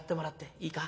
いいか。